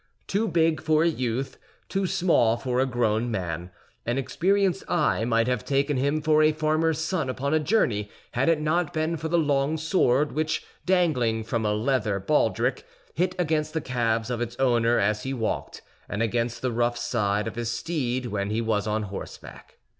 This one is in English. Too big for a youth, too small for a grown man, an experienced eye might have taken him for a farmer's son upon a journey had it not been for the long sword which, dangling from a leather baldric, hit against the calves of its owner as he walked, and against the rough side of his steed when he was on horseback.